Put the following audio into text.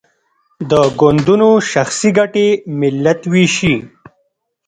د ګوندونو شخصي ګټې ملت ویشي.